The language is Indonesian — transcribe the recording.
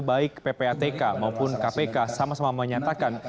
baik ppatk maupun kpk sama sama menyatakan